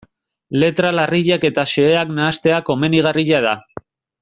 Letra larriak eta xeheak nahastea komenigarria da.